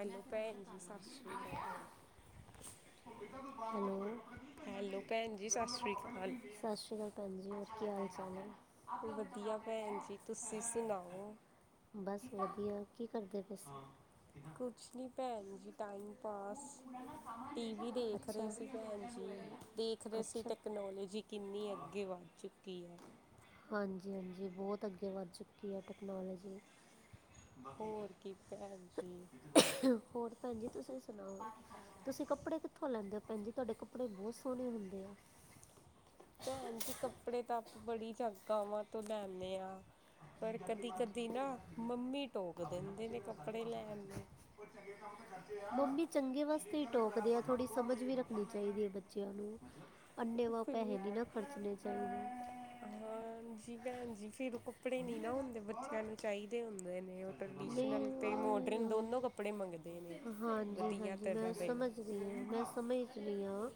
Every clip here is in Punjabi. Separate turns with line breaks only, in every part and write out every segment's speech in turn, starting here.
ਹੈਲੋ ਭੈਂਜੀ, ਸਤਿ ਸ਼੍ਰੀ ਕਾਲ।
ਹੈਲੋ, ਸਤਿ
ਭੈਣ ਜੀ ਸਤਿ ਸ਼੍ਰੀ ਅਕਾਲ
ਸ਼੍ਰੀ ਕਾਲ। ਭੈਂਜੀ, ਹੋਰ ਕੀ ਹਾਲ-ਚਾਲ ਐ।
ਵਧੀਆ ਭੈਣ ਜੀ ਤੁਸੀਂ ਸੁਣਾਓ
ਬਸ ਵਦੀਆ, ਕੀ ਕਰਦੇ ਪਏ ਸੀ?
ਕੁਛ ਨੀਂ ਭੈਂਜੀ, ਟਾਈਮ ਪਾਸ। ਟੀਵੀ ਦੇਖ ਰਏ
ਅੱਛਾ
ਸੀ ਭੈਨ ਜੀ, ਦੇਖ ਰਏ ਸੀ
ਅੱਛਾ
ਟੈਕਨੋਲਜੀ ਕਿੰਨੀ ਅੱਗੇ ਵੱਧ ਚੁੱ ਕੀ ਐ।
ਹਾਂਜੀ- ਹਾਂਜੀ, ਬੌਤ ਅੱਗੇ ਵੱਧ ਚੁੱਕੀ ਐ ਟੈਕਨੋਲਜੀ।
ਹੋਰ, ਕੀ ਭੈਨ ਜੀ।
ਹੋਰ ਭੈਂਜੀ ਤੁਸੀ ਤੁਸੀ ਕੱਪੜੇ ਕਿੱਥੋਂ ਲੈਂਦੇ ਓ ਭੈਂਜੀ, ਤੁਆਡੇ ਕੱਪੜੇ ਬੌਤ ਸੋਨੇ ਹੁੰਦੇ ਆ।
ਭੈਂਜੀ ਕੱਪੜੇ ਤਾਂ, ਆਪਾਂ ਬੜੀ ਜਗਾਵਾਂ ਤੋਂ ਲੈਂਨੇ ਆਂ। ਪਰ ਕਦੀ-ਕਦੀ ਨਾ, ਮੰਮੀ ਟੋਕ ਦੇਂਦੇ ਨੇ ਕੱਪੜੇ ਲੈਨ ਨੂੰ।
ਮੰਮੀ ਚੰਗੇ ਵਾਸਤੇ ਈ ਟੋਕਦੇ ਆ, ਥੋੜ੍ਹੀ ਸਮਝ ਵੀ ਰੱਖਨੀ ਚਾਈਦੀ ਐ ਬੱਚੇਆਂ ਨੂੰ। ਅੰਨੇ ਵਾ
ਫਿਰ
ਪੈਸੇ ਨੀਂ ਨਾ ਖਰਚਨੇ ਚਾਈਦੇ।
ਹਾਂਜੀ, ਭੈਣ ਜੀ ਫਿਰ ਰੁਕ ਕੱਪੜੇ ਨੀਂ ਨਾ ਹੁੰਦੇ, ਬੱਚੇਆਂ ਨੂੰ ਚਾਈਦੇ ਹੁੰਦੇ ਨੇ, ਓ ਟਰਡੀਸ਼ਨਲ
ਨਹੀਂ
ਤੇ ਮੋਡਰਨ ਦੋਨੋਂ ਕੱਪੜੇ ਪੜੇ ਮੰਗਦੇ ਨੇ। ਵਧੀਆ
ਹਾਂਜੀ-ਹਾਂਜੀ, ਮੈਂ
ਤਰ੍ਹਾਂ ਦੇ
ਸਮਝ ਰਈ ਆਂ, ਮੈਂ ਸਮਝ ਰਈ ਆਂ।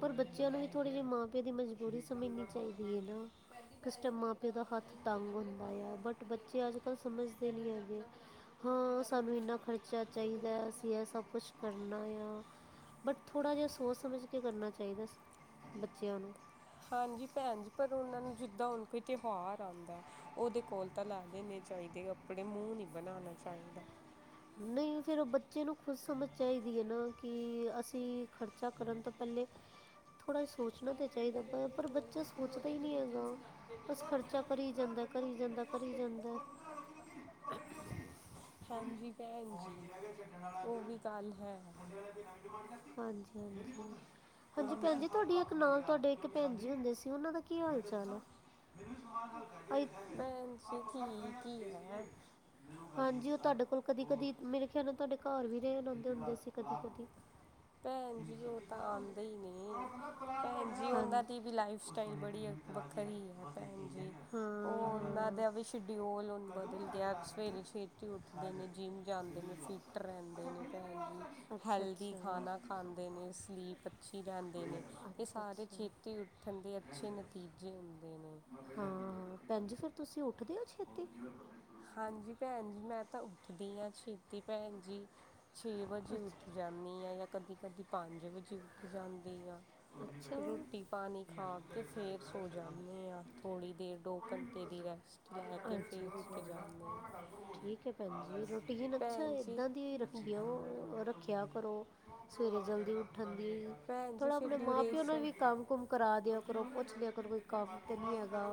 ਪਰ ਬੱਚਿਆਂ ਨੂੰ ਵੀ ਥੋੜੀ ਜਈ ਮਾਂ-ਪਿਓ ਦੀ ਮਜਬੂਰੀ ਸਮਝਣੀ ਚਾਈਦੀ ਐ ਨਾ। ਕਿਸੇ ਟੈਮ ਮਾਂ-ਪਿਓ ਦਾ ਹੱਥ ਤੰਗ ਹੁੰਦਾ ਯਾ ਬਟ ਬੱਚੇ ਅੱਜ-ਕੱਲ੍ਹ ਸਮਝਦੇ ਨਈ ਹੈਗੇ। ਹਾਂ ਸਾਨੂੰ ਇੰਨਾ ਖਰਚਾ ਚਾਈਦਾ ਅਸੀਂ ਏਹ ਸਭ ਕੁਛ ਕਰਨਾ ਯਾ। ਬਟ ਥੋੜਾ ਜੇਆ ਸੋਚ ਸਮਝ ਕੇ ਕਰਨਾ ਚਾਈਦਾ ਬੱਚਿਆਂ ਨੂੰ
ਹਾਂਜੀ ਪੈਨ ਜੀ, ਪਰ ਓਨਾਂ ਨੂੰ ਜਿੱਦਾਂ ਹੁਣ ਕੋਈ ਤਿਉਹਾਰ ਆਂਦਾ ਐ ਓਦੇ ਕੋਲ ਤਾਂ ਲੈ ਦੇਣੇ ਚਾਈਦੇ ਕੱਪੜੇ, ਮੂੰਹ ਨਹੀਂ ਬਣਾਣਾ ਚਾਈਦਾ।
ਨਈ ਫੇਰ ਓ ਬੱਚੇ ਨੂੰ ਖੁਦ ਸਮਝ ਚਾਈਦੀ ਐ ਨਾ ਕਿ ਅਸੀਂ ਖਰਚਾ ਕਰਨ ਤੋ ਪੈਲੇ ਥੋੜਾ ਜੇਆ ਸੋਚਣਾ ਤਾਂ ਚਾਹੀਦਾ ਪ ਪਰ ਬੱਚਾ ਸੋਚਦਾ ਈ ਨੀ ਹੈਗਾ। ਬਸ ਖਰਚਾ ਕਰੀ ਜਾਂਦਾ, ਕਰੀ ਜਾਂਦਾ, ਕਰੀ ਜਾਂਦਾ ਐ।
ਹਾਂਜੀ ਪੈਨ ਜੀ, ਓ ਵੀ ਗੱਲ ਹੈ।
ਹਾਂਜੀ-ਹਾਂਜੀ, ਹਾਂਜੀ ਪੈਨ ਜੀ ਤੁਆਡੀ ਆ ਨਾਲ ਤੁਆਡੇ ਇੱਕ ਪੈਨ ਜੀ ਹੁੰਦੇ ਸੀ ਓਨਾਂ ਦਾ ਕੀ ਹਾਲ-ਚਾਲ ਆ?
ਪੈਣ ਜੀ, ਠੀਕ ਈ ਐ।
ਹਾਂਜੀ ਓ ਤੁਆਡੇ ਕੋਲ ਕਦੀ-ਕਦੀ ਮੇਰੇ ਖਿਆਲ ਨਾਲ ਤੁਆਡੇ ਘਰ ਵੀ ਰਹੇ ਆਂ ਹੁੰਦੇ ਸੀ ਕਦੀ-ਕਦੀ।
ਪੈਣ ਜੀ ਓ ਤਾਂ ਆਂਦੇ ਈ ਨੇ ਪੈਣ ਜੀ ਓਨਾਂ
ਹਾਂਜੀ ਹਾਂ
ਦੀ ਵੀ ਲਾਈਫ ਸਟਾਈਲ ਬੜੀ ਵੱਖਰੀ ਐ ਪੈਨ ਜੀ ਓ ਓਨਾਂ ਦਾ ਵੀ ਸ਼ਡਿਊਲ ਹੁਣ ਬਦਲ ਗਿਆ ਸਵੇਰੇ ਛੇ ਉੱਠਦੇ ਨੇ ਜਿੰਮ ਜਾਂਦੇ ਨੇ ਫਿੱਟ ਰੇਂਦੇ ਨੇ ਹਾਂਜੀ
ਹਾਂ ਅੱਛਾ
ਹੈਲਦੀ ਖਾਣਾ ਖਾਂਦੇ
ਅੱਛਾ
ਨੇ ਸਲੀਪ ਅੱਛੀ ਲਹਿੰਦੇ ਨੇ ਏ
ਅੱਛਾ
ਸਾਰੇ
ਅੱਛਾ
ਛੇਤੀ ਉੱਠਣ ਦੇ ਅੱਛੇ ਨਤੀਜੇ ਹੁੰਦੇ ਨੇ
ਹਾਂ ਪੈਣ ਜੀ ਫਿਰ ਤੁਸੀਂ ਉੱਠਦੇ ਓ ਛੇ
ਹਾਂਜੀ ਪੈਣ ਜੀ ਮੈਂ ਤਾਂ ਉੱਠਦੀ ਹਾਂ‌ ਛੇਤੀ ਪੈਣ ਜੀ। ਛੇ ਵਜੇ
ਅੱਛਾ
ਉੱਠ ਜਾਂਦੀ ਆ ਜਾਂ ਕਦੀ-ਕਦੀ ਪੰਜ ਵਜੇ ਉੱਠ ਜਾਂਦੀ ਆ।
ਅੱਛਾ ਅੱਛਾ
ਰੋਟੀ ਪਾਣੀ ਖਾ ਕੇ ਫੇਰ ਸੋ ਜਾਂਨੇ ਆ ਥੋੜ੍ਹੀ ਦੇਰ ਦੋ ਘੰਟੇ ਦੀ ਰੇ ਸਟਲੈਕ
ਅੱਛਾ-ਅੱਛਾ ਠੀਕ ਏ ਪੈਣ ਜੀ ਰੋਟੀਨ ਅੱਛਾ
ਭੈਣ ਜੀ
ਏਦਾਂ ਦੀ ਰਖ ਓ ਰੱਖਿਆ ਕਰੋ ਸਵੇਰੇ ਜਲਦੀ ਉੱਠਣ ਦੀ
ਪੈਨ ਜੀ
ਥੋੜ੍ਹਾ
ਫਿਰ
ਆਪਣੇ ਮਾਂ ਪਿਓ ਨਾਲ
ਡਿਊਰੇਸ਼ਨ
ਵੀ ਕੰਮ-ਕੁਮ ਕਰਾ ਦਿਆਂ ਕਰੋਂ ਪੁੱਛ ਲਿਆ ਕਰੋ ਕੋਈ ਕੰਮ ਤੇ ਨੀ ਹੈਗਾ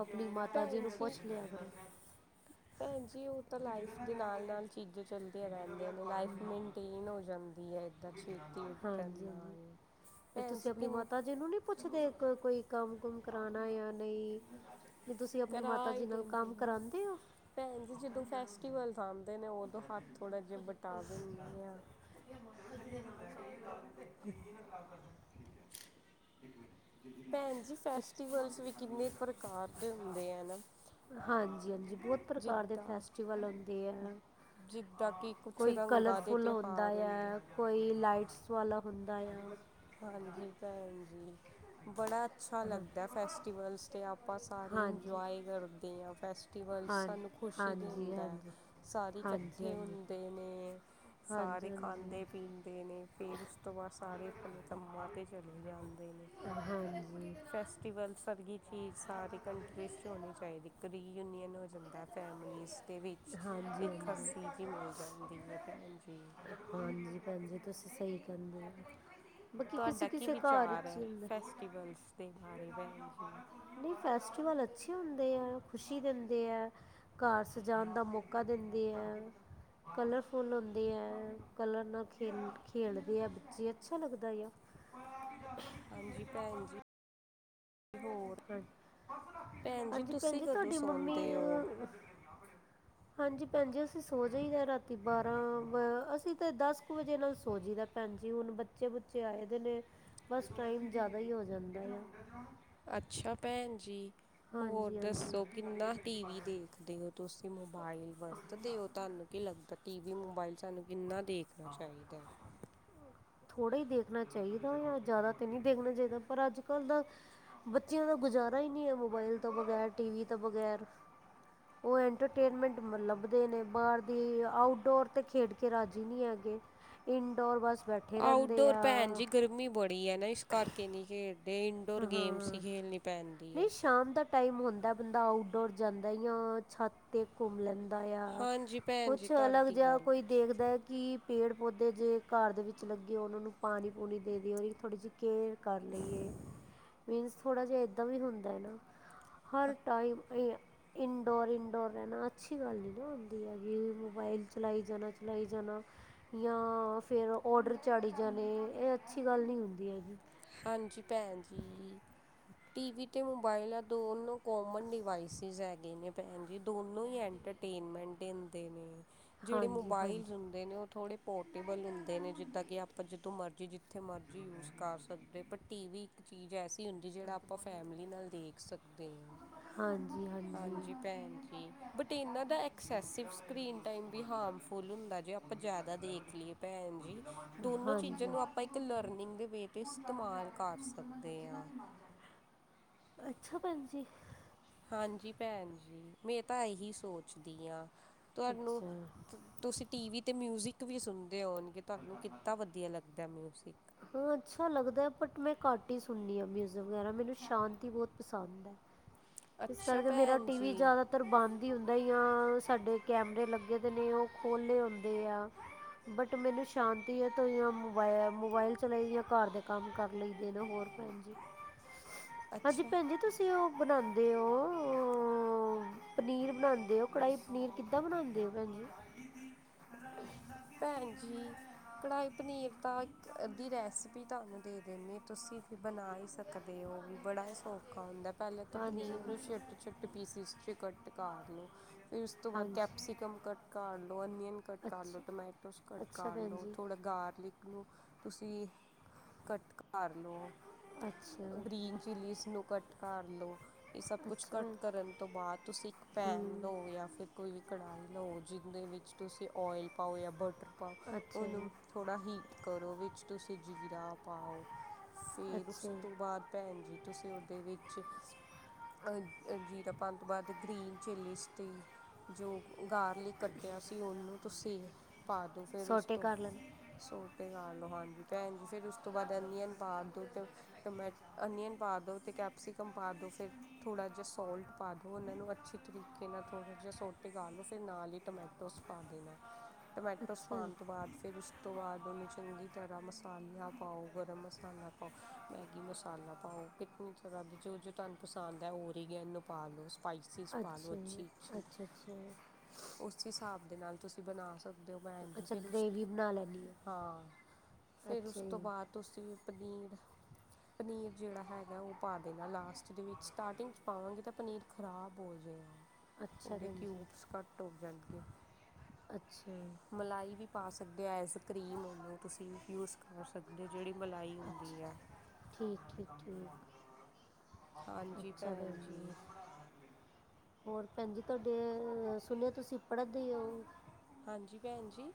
ਆਪਣੀ ਮਾਤਾ ਜੀ ਨੂੰ ਪੁੱਛ ਲਿਆ ‌ਕਰੋ
ਪੈਨ ਜੀ ਓ ਤਾਂ ਲਾਈਫ ਦੇ ਨਾਲ-ਨਾਲ ਚੀਜ਼ਾਂ ਚੱਲਦੀਆਂ ਰਹਿੰਦੀਆਂ ਨੇ ਲਾਈਫ ਮਨ ਟੀਨ ਹੋ ਜਾਂਦੀ ਐ ਏਦਾਂ ਛੇਤੀ ਉੱਡਣ ਨਾਲ
ਫੇਰ
ਭੈਣ
ਤੁਸੀਂ
ਜੀ
ਅਪਣੀ
ਕਿੰਨ
ਮਾਤਾ ਜੀ ਨੂੰ ਨੀ ਪੁੱਛਦੇ ਕ ਕੋਈ ਕੰਮ ਕੁਮ ਕਰਾਨਾ ਜਾਂ ਨੀ ਵੀ ਤੁਸੀਂ ਆਪਣੀ ਮਾਤਾ ਜੀ ਨਾਲ ਕੰਮ ਕਰਾਦੇ ਓ?
ਪੈਣ ਜੀ ਜਦੋਂ ਫੈਸਟਿਵਲਸ ਆਂਦੇ ਨੇ ਉਦੋਂ ਹੱਥ ਥੋੜਾ ਜੇਆ ਬਟਾ ਦਿੰਦੇ ਆ। ਪੈਨ ਜੀ ਫੈਸਟਿਵਲਸ ਵੀ ਕਿੰਨੇ ਪ੍ਰਕਾਰ ਦੇ ਹੁੰਦੇ ਆ ਨਾ।
ਹਾਂਜੀ-ਹਾਂਜੀ ਬੋਤ ਪ੍ਰਕਾਰ ਦੇ
ਜਿੱਦਾਂ
ਫੈਸਟੀਵਲ ਹੁੰਦੇ ਐ
ਜਿੱਦਾਂ ਕਿ ਕੁਛ
ਕੋਈ
ਰੰਗਾਂ ਦੇ
ਕਲਰਫੁੱਲ ਹੁੰਦਾ
ਤਿਉਹਾਰ ਹੁੰਦੇ
ਯਾ ਕੋਈ ਲਾਈਟਸ ਵਾਲਾ ਹੁੰਦਾ ਯਾ
ਹਾਂਜੀ ਪੈਨ ਜੀ ਬੜਾ ਅੱਛਾ
ਹਾਂ
ਲੱਗਦਾ ਫੈਸਟੀਵਲਸ ਤੇ ਆਪਾਂ ਸਾਰੇ
ਹਾਂਜੀ
ਇੰਜੋਏ ਕਰਦੇ ਆ ਫੈਸ ਫੈਸਟੀਵਲਸ
ਹਾਂ
ਸਾਨੂੰ ਖੁਸ਼ੀ
ਹਾਂਜੀ
ਦਿੰਦਾ ਐ
ਹਾਂਜੀ।
ਸਾਰੇ
ਹਾਂਜੀ
ਕੱਠੇ
ਹਾਂਜੀ
ਹੁੰਦੇ ਨੇ ਸਾਰੇ
ਹਾਂਜੀ ਹਾਂਜੀ।
ਖਾਂਦੇ-ਪੀਂਦੇ ਨੇ ਫੇਰ ਉਸ ਤੋਂ ਬਾਦ ਸਾਰੇ ਅਪਣੇ ਆ ਤੇ ਚਲੇ ਜਾਂਦੇ ਨੇ
ਹਾਂਜੀ
ਫੈਸਟੀਵਲ ਸਰਗੀ ਚੀਜ਼ ਸਾਰੀ ਕੰਟਰੀਜ਼ ਹੋਣੀ ਚਾਈਦੀ ਇੱਕ ਰੀਯੂਨੀਅਨ ਹੋ ਜਾਂਦਾ ਫੈਮਲੀਜ਼ ਦੇ ਵਿੱਚ
ਹਾਂਜੀ
ਇੱਕ
ਹਾਂਜੀ।
ਹੱਸੀ ਜੀ ਮਿਲ ਜਾਂਦੀ ਹੈ ਭੈਣ ਜੀ
ਹਾਂਜੀ ਹਾਂਜੀ ਤੁਸੀਂ ਸਹੀ ਕਰਿੰਦੇ ਹੋ ਬਾਕੀ ਕਿਸੇ
ਤੁਹਾਡਾ ਕੀ
ਕਿਸੇ ਘਰ
ਵਿਚਾਰ
ਚ
ਹੈ
ਹੁੰਦਾ
ਫੈਸਟੀਵਲਸ ਦੇ ਬਾਰੇ ਭੈਣ ਜੀ?
ਨਹੀਂ ਫੈਸਟੀਵਲ ਅੱਛੇ ਹੁੰਦੇ ਹੈ ਖੁਸ਼ੀ ਦਿੰਦੇ ਹੈ ਘਰ ਸਜਾਣ ਦਾ ਮੌਕਾ ਦਿੰਦੇ ਹੈ ਕਲਰਫੁੱਲ ਹੁੰਦੇ ਹੈ ਕਲਰ ਨਾਲ ਖੇਲ ਖੇਡਦੇ ਆ ਬੱਚੇ ਅੱਛਾ ਲੱਗਦਾ ਆ
ਹਾਂਜੀ ਭੈਣ ਜੀ ਹੋਰ
ਹਾਂਜੀ
ਭੈਣ ਜੀ
ਹਾਂਜੀ ਭੈਣ
ਤੁਸੀਂ ਕਦੋਂ
ਤੁਹਾਡੀ ਮੰਮੀ
ਸੌਦੇ ਹੋ
ਅ, ਹਾਂਜੀ ਭੈਣ ਜੀ ਅਸੀਂ ਸੌ ਜਾਈਦਾ ਰਾਤੀ ਬਾਰ੍ਹਾਂ ਵ ਅਸੀਂ ਤਾਂ ਦਸ ਕੁ ਵਜੇ ਨਾਲ ਸੋ ਜਈ ਦਾ ਭੈਣ ਜੀ ਹੁਣ ਬੱਚੇ ਬੁੱਚੇ ਆਏ ਦੇ ਨੇ ਬਸ ਟਾਈਮ ਜ਼ਿਆਦਾ ਹੀ ਹੋ ਜਾਂਦਾ ਆ
ਅੱਛਾ ਭੈਣ ਜੀ ਹੋਰ
ਹਾਂਜੀ
ਦੱਸੋ ਕਿੰਨਾ ਟੀ ਵੀ
ਹਾਂਜੀ
ਦੇਖਦੇ ਹੋ ਤੁਸੀਂ ਮੋਬਾਇਲ ਵਰਤਦੇ ਹੋ ਤੁਹਾਨੂੰ ਕੀ ਲੱਗਦਾ ਟੀ ਵੀ ਮੋਬਾਇਲ ਸਾਨੂੰ ਕਿੰਨਾ ਦੇਖਣਾ ਚਾਹੀਦਾ
ਥੋੜ੍ਹਾ ਹੀ ਦੇਖਣਾ ਚਾਹੀਦਾ ਜਾਂ ਜ਼ਿਆਦਾ ਤਾਂ ਨਹੀਂ ਦੇਖਣਾ ਚਾਹੀਦਾ ਪਰ ਅੱਜ ਕੱਲ੍ਹ ਦਾ ਬੱਚਿਆਂ ਦਾ ਗੁਜ਼ਾਰਾ ਹੀ ਨਹੀਂ ਹੈ ਮੋਬਾਇਲ ਤੋਂ ਬਗ਼ੈਰ ਟੀਵੀ ਤੋਂ ਬਗੈਰ ਉਹ ਐਟਰਟੇਨਮੈਂਟ ਲੱਭਦੇ ਨੇ ਬਾਹਰ ਦੀ ਆਊਟਡੋਰ ਤੇ ਖੇਡ ਕੇ ਰਾਜ਼ੀ ਨਹੀਂ ਹੈ ਹੈਗੇ ਇੰਡੋਰ ਬੱਸ ਬੈਠੇ ਰਹਿੰਦੇ
ਆਊਟਡੋਰ ਭੈਣ
ਆ
ਜੀ ਗਰਮੀ ਬੜੀ ਹੈ ਨਾ ਇਸ ਕਰਕੇ ਨਹੀਂ ਖੇਡਦ ਅਤੇ ਇਨਡੋਰ ਗੇਮਸ ਹੀ
ਹਾਂ
ਖੇਡਣੀ ਪੈਂਦੀ ਹੈ
ਨਹੀਂ ਸ਼ਾਮ ਦਾ ਟਾਈਮ ਹੁੰਦਾ ਬੰਦਾ ਆਊਟਡੋਰ ਜਾਂਦਾ ਛੱਤ ਅਤੇ ਘੁੰਮ ਲੈਂਦਾ ਆ
ਹਾਂਜੀ ਭੈਣ ਜੀ
ਕੁਛ ਅਲੱਗ
ਤੁਹਾਡੀ
ਜਿਹਾ
ਗੱਲ
ਕੋਈ ਦੇਖਦਾ ਕਿ ਪੇੜ ਪੌਦੇ ਜੇ ਘਰ ਦੇ ਵਿੱਚ ਲੱਗੇ ਹੋ ਉਹਨਾਂ ਨੂੰ ਪਾਣੀ ਪੂਣੀ ਦੇ ਦਿਓ ਉਹਦੀ ਥੋੜ੍ਹੀ ਜਿਹੀ ਕੇਅਰ ਕਰ ਲਈਏ ਮੀਨਸ ਥੋੜ੍ਹਾ ਜਿਹਾ ਏਦਾਂ ਵੀ ਹੁੰਦਾ ਹੈ ਨਾ ਹਰ ਟਾਈਮ ਇਹ ਇਨਡੋਰ ਇਨਡੋਰ ਰਹਿਣਾ ਅੱਛੀ ਗੱਲ ਨਹੀਂ ਨਾ ਹੁੰਦੀ ਹੈ ਕਿ ਮੋਬਾਈਲ ਚਲਾਈ ਜਾਣਾ ਚਲਾਈ ਜਾਣਾ ਜਾਂ ਫੇਿਰ ਔਡਰ ਚਾੜੀ ਜਾਣੇ ਇਹ ਅੱਛੀ ਗੱਲ ਨਹੀਂ ਹੁੰਦੀ ਹੈਗੀ
ਹਾਂਜੀ ਭੈਣ ਜੀ ਟੀ ਵੀ ਅਤੇ ਮੋਬਾਇਲ ਆ ਦੋਨੋਂ ਕੋਮਨ ਡਿਵਾਈਸਿਸ ਹੈਗੇ ਨੇ ਭੈਣ ਜੀ ਦੋਨੋਂ ਹੀ ਐਂਟਰ ਮੈਂਟ ਦੇਦੇ ਨੇ ਜਿਹੜੇ
ਹਾਂਜੀ
ਮੋਬਾਇਲ
ਹਾਂਜੀ
ਦੇ ਨੇ ਉਹ ਥੋੜ੍ਹੇ ਪੋਰਟੇਬਲ ਹੁੰਦੇ ਨੇ ਜਿੱਦਾਂ ਕਿ ਆਪਾਂ ਜਦੋਂ ਮਰਜ਼ੀ ਜਿੱਥੇ ਮਰਜ਼ੀ ਯੂਜ਼ ਕਰ ਸਕ ਪਰ ਟੀ ਵੀ ਇੱਕ ਚੀਜ਼ ਐਸੀ ਹੁੰਦੀ ਜਿਹੜਾ ਆਪਾਂ ਫੈਮਲੀ ਨਾਲ ਦੇਖ ਸਕਦੇ ਹਾਂ
ਹਾਂਜੀ ਹਾਂ
ਹਾਂਜੀ ਭੈਣ ਜੀ ਬਟ ਇਹਨਾਂ ਦਾਐਕਸੈਸਿਵ ਸਕ ਰੀਨਟੈਮ ਵੀ ਹਾਰਮਫੁਲ ਹੁੰਦਾ ਜੇ ਆਪਾਂ ਜ਼ਿਆਦਾ ਦੇਖ ਲਈਏ ਭੈਣ ਜੀ ਦੋਨੋ ਚੀਜ਼ਾਂ
ਹਾਂਜੀ
ਨੂੰ ਆਪਾਂ ਇੱਕ ਲਰਨਿੰਗ ਦੇ ਵਿੱਚ ਇਸਤੇਮਾਲ ਕਰ ਸਕਦੇ ਹਾਂ
ਅੱਛਾ ਭੈਜੀ
ਹਾਂਜੀ ਭੈਣ ਜੀ ਮੈਂ ਤਾਂ ਇਹੀ ਸੋਚਦੀ ਹਾਂ ਤੁਹਾਨੂੰ
ਅੱਛਾ
ਤੁਸੀਂ ਟੀ ਵੀ ਤੇ ਮਿਊਜਿਕ ਵੀ ਸੁਣਦੇ ਹੋਣਗੇ ਤੁਹਾਨੂੰ ਕਿੱਦਾ ਵਧੀਆ ਲੱਗਦਾ ਮਿਊਜਿਕ
ਹਾਂ ਅੱਛਾ ਲੱਗਦਾ ਹੈ ਬਟ ਮੈਂ ਘੱਟ ਹੀ ਸੁਣਦੀ ਹਾਂ ਮਿਊਜ਼ ਵਗੈਰਾ ਮੈਨੂੰ ਸ਼ਾਂਤੀ ਬੋਤ ਪਸੰਦ ਹੈ ਇਸ
ਅੱਛਾ
ਕਰਕੇ ਮੇਰਾ
ਭੈਣ
ਟੀ ਵੀ
ਜੀ
ਜ਼ਿਆਦਾ ਤਰ ਬੰਦ ਹੀ ਹੁੰਦਾ ਆ ਸਾਡੇ ਕੈਮਰੇ ਲੱਗੇ ਦੇ ਨੇ ਉਹ ਖੋਲੇ ਹੁੰਦੇ ਆ ਬਟ ਮੈਨੂੰ ਸ਼ਾਂਤੀ ਹੈ ਤਾਂ ਮੋਬ ਮੋਬਾਇਲ ਚਲਾ ਆ ਘਰ ਦੇ ਕੰਮ ਕਰ ਲਈਦੇ ਨਾ ਹੋਰ ਹਾਂਜੀ
ਅੱਛਾ
ਭੈਣ ਜ ਤੁਸੀਂ ਉਹ ਬਣਾਉਂਦੇ ਦੇ ਉਹ ਪਨੀਰ ਬਣਾਉਂਦੇ ਹੋ ਕੜਾਹੀ ਪਨੀਰ ਕਿੱਦਾਂ ਬਣਾਉਂਦੇ ਹੋ ਭੈਣ ਜੀ
ਪੈਣ ਜੀ। ਕੜਾਈ ਪਨੀਰ ਤਾਂ ਇੱਕ ਅੱਦੀ ਰੈਸਪੀ ਤਾਨੂੰ ਦੇ ਦਿੰਨੀ ਆਂ, ਤੁਸੀਂ ਵੀ ਬਣਾ ਈ ਸਕ ਸਕਦੇ ਓ ਵੀ ਬੜਾ ਹੀ ਸੌਖ ਖਾ ਹੁੰਦਾ ਪੈਲਾਂ ਤਾਂ ਪਨੀਰ
ਹਾਂਜੀ
ਨੂੰ ਛਿੱਟ ਛੋਟੇ ਪੀਸਿਸ ਚ ਕੱਟ ਕਰ ਲਓ। ਫਿਰ ਓਸ ਤੋਂ ਬਾਦ
ਹਾਂਜੀ
ਕੈਪਸੀਕਮ ਕਟ ਕਰ ਲਓ, ਅਨੀਅਨ ਕੱਟ ਕਰ ਲ,
ਅੱਛਾ
ਟਮੈਟੋਸ ਕੱਟ
ਅੱਛਾ
ਕਰ
ਭੈਣ
ਲਓ
ਜੀ
ਥੋੜਾ ਗਾਰਲਿਕ ਨੂੰ ਤੁਸੀਂ ਕੱਟ ਕਰ ਲਓ,
ਅੱਛਾ
ਗਰੀਨ ਚਿੱਲੀਸ ਨੂੰ ਨੂੰ ਕੱਟ ਕਾਰ ਲਉ ਇਹ ਸਬ ਕੁਛ
ਅੱਛਾ
ਕੱਟ
ਭੈਣ
ਕਰਨ ਤੋਂ ਬਾਦ ਤੁਸੀਂ ਇੱਕ ਪੈਨ
ਹੂੰ
ਲਓ ਜਾਂ ਫਿਰ ਕੋਈ ਵੀ ਕੜਾਈ ਲਓ ਜੀਦੇ ਵਿੱਚ ਤੁਸੀਂ ਓਇਲ ਪਾਓ ਜਾਂ ਬਟਰ ਪਾਓ
ਅੱਛਾ ਜੀ
ਓਨੂੰ ਥੋੜਾ ਹੀਟ ਕਰੋ ਵਿੱਚ ਤੁਸੀਂ ਜੀਰਾ ਪਾਓ, ਫਿਰ ਉਸ
ਅੱਛਾ
ਤੋਂ
ਜੀ
ਬਾਦ ਪੈਨ ਜੀ ਤੁਸੀਂ ਓਦੇ ਵਿੱਚ ਅ ਜੀਰਾ ਪਾਣ ਤੋਂ ਬਾਦ ਗ੍ਰੀਨ ਚਿੱਲੀਜ਼ ਤੇ ਜੋ ਗਾਰ ਕੱਟਿਆ ਸੀ ਓਹਨੂੰ ਤੁਸੀਂ ਪਾਦੋ, ਫੇਰ ਉਸ
ਸੋਟੇ
ਤੋਂ
ਕਰ ਲੈਂਦੇ
ਸੋਟੇ ਕਰ ਲਓ ਹਾਂਜੀ ਪੈਣ ਜੀ, ਫੇਰ ਉਸ ਤੋਂ ਬਾਦ ਅਨੀਅਨ ਪਾਰ ਦੋ ਟਮੈ ਅਨੀਅਨ ਪਾ ਦੋ, ਤੇ ਕੈਪਸੀਕਮ ਪਾ ਦੋ ਫੇ ਥੋੜ੍ਹਾ ਜੇਆ ਸੋਲਟ ਪਾ ਦੋ ਓਨਾਂ ਨੂੰ ਅੱਛੀ ਤਰੀਕੇ ਨਾਲ ਥੋੜਾ ਜੇਆ ਸੋਟੇ ਕਰ ਲੋ, ਫੇਰ ਨਾਲ ਈ ਟਮੈਟੋਸ ਪਾ ਦੇਣਾ ਟਮੈਟੋਸ
ਅੱਛਾ ਜੀ
ਪਾਨ ਤੋਂ ਬਾਦ, ਫੇਰ ਉਸ ਓ ਤੋਂ ਬਾਦ ਓਨੂੰ ਚੰਗੀ ਤਰਾਂ ਮਸਾਲਾ ਪਾਓ, ਗਰਮ ਮਸਾਲਾ ਪਾਓ। ਮੈਗੀ ਮਸਾਲਾ ਪਾਓ, ਕਿਤਨੀ ਤਰਾਂ ਦੇ ਜੋ-ਜੋ ਤੁਆਨੂੰ ਪਸੰਦ ਐ ਓਰੀਗੇਨੋ ਪਾ ਲੋ। ਸਪਾਈਸੀਿਸ ਪਾ ਲੋ,
ਅੱਛਾ
ਅੱਛੀ-ਅੱਛੀ।
ਅੱਛਾ ਜੀ।
ਓਸ ਹਿਸਾਬ ਦੇ ਨਾਲ ਤੁਸੀਂ ਬਨਾ ਸਕੋ। ਦੋ ਪੈਨ ਜੀ
ਅੱਛਾ
ਫੇਰ ਉਸ
ਗ੍ਰੇਵੀ ਬਣਾ ਲੈਂਦੀ ਹੈ
ਹਾਂ, ਫੇਰ
ਅੱਛਾ
ਉਸ ਤੋਂ
ਜੀ
ਬਾਦ ਤੁਸੀ ਪਨੀਰ ਪਨੀਰ ਜੇੜਾ ਹੈਗਾ ਓ ਪਾ ਦੇਣਾ ਲਾਸਟ ਦੇ ਵਿੱਚ, ਸਟਾਰਟਿੰਗ ਚ ਪਾਵਾਂਗੇ ਤਾਂ ਪਨੀਰ ਖ਼ਰਾਬ ਹੋ ਜੇਗਾ,
ਅੱਛਾ
ਓਦੇ
ਭੈਣ ਜੀ
ਕਿਊਬਸ ਕੱਟ ਹੋ ਜਾਣਗੇ।
ਅੱਛਾ।
ਮਲਾਈ ਵੀ ਪਾ ਸਕਦੇ ਆ ਐਸਕ੍ਰੀਮ ਉਨੂੰ ਤੁਸੀਂ ਯੂਜ਼ ਕਰ ਅੱਗੇ ਜੇੜੀ ਮਲਾਈ
ਅੱਛਾ
ਹੁੰਦੀ ਆ
ਠੀਕ, ਠੀਕ, ਠੀਕ।
ਹਾਂਜੀ
ਅੱਛਾ,
ਭੈਣ
ਪੈਨ ਜੀ। ਹੋਰ ਪੈਣ ਜੀ ਤਾਡੇ ਸੁਨੇਆ ਤੁਸੀਂ ਪੜਦੇ ਓ?
ਹੰਜੀ, ਪੈਣ ਜੀ।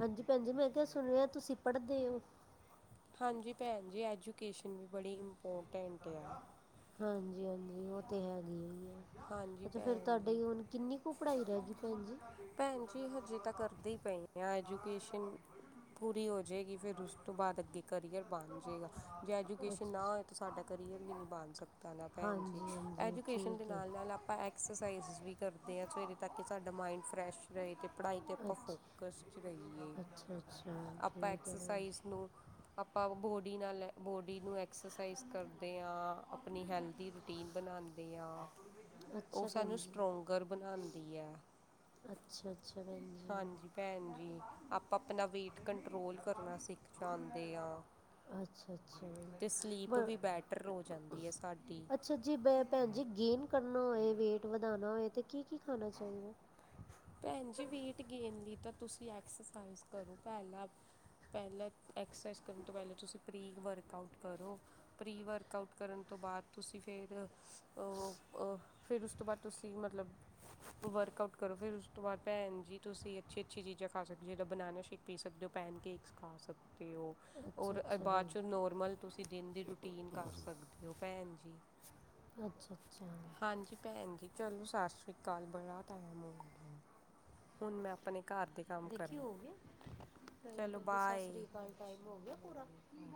ਹੰਜੀ ਪੈਨ ਜੀ, ਮੈਂ ਕੇਯਾ ਸੁਨੇਆ ਤੁਸੀਂ ਪੜਦੇਓ?
ਹੰਜੀ ਪੈਨ ਜੀ, ਐਜੂਕੇਸ਼ਨ ਵੀ ਬੜੀ ਇਮਪੋਰਟੰਟ ਏ।
ਹਾਂਜੀ-ਹਾਂਜੀ, ਓ ਤੇ ਹੈਗੀ ਏ
ਹਾਂਜੀ
ਅੱਛਾ, ਫਿਰ
ਭੈਣ ਜੀ
ਤਾਡੇ ਹੁਣ ਕਿੰਨੀ ਕੁ ਪੜਾਈ ਰੈਗੀ, ਪੈਨ ਜੀ?
ਪੈਨ ਜੀ, ਹਜੇ ਤਾਂ ਕਰਦੀ ਪਈ ਆਂ ਐਜੂਕੇਸ਼ਨ ਪੂਰੀ ਹੋ ਜੇਗੀ, ਫਿਰ ਉਸ ਤੋਂ ਬਾਦ ਅੱਗੇ ਕਰੀਅਰ ਬਣ ਜੇਗਾ। ਜੇ ਐਜੂਕੇਸ਼ਨ
ਅੱਛਾ
ਨਾ
ਜੀ
ਹੋਏ ਤਾਂ ਸਾਡਾ ਕਰੀਅਰ ਵੀ ਨਈ ਬਣ ਸਕਦਾ ਨਾ ਪੈਣ ਜੀ,
ਹਾਂਜੀ ਹਾਂਜੀ
ਐਜੂਕੇਸ਼ਨ ਦੇ
ਠੀਕ ਹੈ
ਨਾਲ-ਨਾਲ ਅਪ ਆਪਾਂ ਐਕਸਰਸਾਈਜ਼ ਵੀ ਕਰਦੇ ਆ ਸਵੇਰੇ ਤੱਕ, ਕਿ ਸਾਡਾ ਮਾਇੰਡ ਫਰੈਸ਼ ਰਏ ਤੇ ਪੜਾਈ ਤੇ ਆਪਾਂ
ਅੱਛਾ
ਫੋਕਸ 'ਚ ਰਈਏ।
ਅੱਛਾ ਅੱਛਾ
ਆਪਾਂ
ਠੀਕ ਹੈ ਭੈਣ
ਐਕਸਸਾਈਜ਼
ਜੀ
ਨੂੰ, ਆਪਾਂ ਬੋਡੀ ਨਾਲ ਬੋਡੀ ਨੂੰ ਐਕਸਰਸਾਈਜ਼ ਕਰਦੇ ਆ, ਅਪਨੀ ਹੈਲਦੀ ਰੂਟੀਨ ਬਣਾਨੇ ਆ। ਓ
ਅੱਛਾ ਭੈਣ
ਸਾਨੂੰ
ਜੀ
ਸਟਰੋਂਗਰ ਬਣਾਂਦੀ ਐ।
ਅੱਛਾ-ਅੱਛਾ ਭੈਣ ਜੀ।
ਹਾਂਜੀ ਭੈਣ ਜੀ, ਆਪਾਂ ਆਪਣਾ ਵੇਟ ਕੰਟਰੋਲ ਕਰਨਾ ਸਿੱਖ ਜਾਂਦੇ ਆ।
ਅੱਛਾ-ਅੱਛਾ।
ਤੇ ਸਲੀਪ ਵੀ ਬੈੱਟਰ ਹੋ ਜਾਂਦੀ ਹੈ ਸਾਡੀ।
ਅੱਛਾ ਜੀ, ਬੇ ਪੈਣ ਜੀ ਗੇਨ ਕਰਨਾ ਹੋਏ ਵੇਟ ਵਧਾਣਾ ਹੋਏ ਤੇ ਕੀ-ਕੀ ਖਾਣਾ ਚਾਹੀਦਾ?
ਭੈਣ ਜੀ ਵੇਟ ਗੇਨ ਲਈ ਤਾਂ ਤੁਸੀਂ ਐਕਸਰਸਾਈਜ਼ ਕਰੋ ਪਹਿਲਾ। ਪਹਿਲਾਂ ਐਕਸਰਸਾਈਜ਼ ਕਰਨ ਤੋਂ ਪਹਿਲਾਂ ਤੁਸੀਂ ਪ੍ਰੀ ਵਰਕਆਊਟ ਕਰੋ। ਪ੍ਰੀ ਵਰਕਆਊਟ ਕਰਨ ਤੋਂ ਬਾਅਦ ਤੁਸੀਂ ਫਿਰ ਓ ਫਿਰ ਉਸ ਤੋਂ ਬਾਅਦ ਤੁਸੀਂ ਮਤਲਬ ਵਰਕਆਊਟ ਕਰੋ ਫਿਰ ਉਸ ਉਸ ਤੋਂ ਬਾਅਦ ਭੈਣ ਜੀ ਤੁਸੀਂ ਅੱਛੀ -ਅੱਛੀ ਚੀਜ਼ਾਂ ਖਾ ਸਕਦੇ ਹੋ ਜਿੱਦਾਂ ਬਨਾਨਾ ਸ਼ੇਕ ਪੀ ਸਕਦੇ ਹੋ ਪੈਨ ਕੇਕਸ ਖਾ ਸਕਦੇ ਹੋ। ਅਤੇ ਉਹ
ਅੱਛਾ
ਔਰ
ਅੱਛਾ
ਬਾਅਦ
ਭੈਣ ਜੀ
'ਚ ਨੋਰਮਲ ਤੁਸੀਂ ਦਿਨ ਦੀ ਰੂਟੀਨ ਕਰ ਸਕਦੇ ਹੋ ਭੈਣ ਜੀ।
ਅੱਛਾ- ਅੱਛਾ।
ਹਾਂਜੀ ਭੈਣ ਜੀ ਚਲੋ ਸਤਿ ਸ਼੍ਰੀ ਅਕਾਲ ਬੜਾ ਟਾਈਮ ਹੋ ਗਿਆ। ਹੁਣ ਮੈਂ ਆਪਣੇ ਘਰ ਦੇ ਕੰਮ
ਦੇਖੀ
ਕਰਾਂ
ਹੋ ਗਿਆ ਟਇਮ
ਚਲੋ
ਨਹੀਂ ਸਤ
ਬਾਏ
ਤ੍ਰੀ ਅਕਾਲ, ਟਾਈਮ ਹੋ ਗਿਆ ਪੂਰਾ?